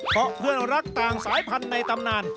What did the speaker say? เพราะเพื่อนรักต่างสายพันธุ์ในตำนาน